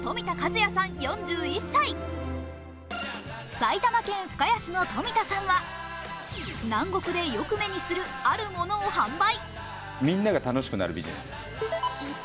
埼玉県深谷市の富田さんは南国でよく目にするあるものを販売。